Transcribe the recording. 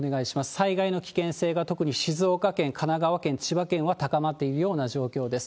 災害の危険性が、特に静岡県、神奈川県、千葉県は高まっているような状況です。